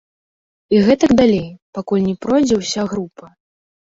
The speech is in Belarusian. І гэтак далей, пакуль не пройдзе ўся група.